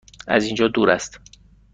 از اینجا دور است؟